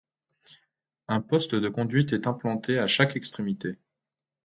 Un poste de conduite est implanté à chaque extrémité.